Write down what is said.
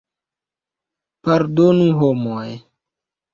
Pardonu, homoj!